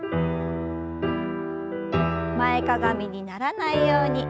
前かがみにならないように気を付けて。